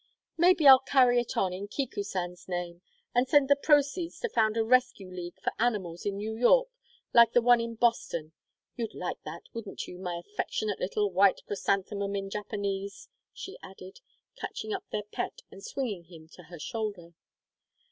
"Maybe I'll carry it on in Kiku san's name, and send the proceeds to found a Rescue League for animals in New York like the one in Boston you'd like that, wouldn't you, my affectionate little white chrysanthemum in Japanese?" she added, catching up their pet and swinging him to her shoulder.